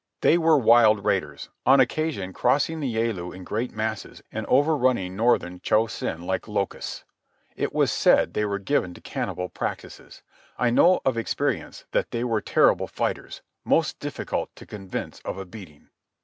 They were wild raiders, on occasion crossing the Yalu in great masses and over running northern Cho Sen like locusts. It was said they were given to cannibal practices. I know of experience that they were terrible fighters, most difficult to convince of a beating.